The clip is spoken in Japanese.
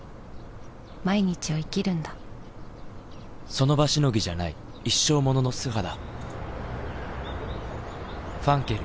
その場しのぎじゃない一生ものの素肌磧ファンケル」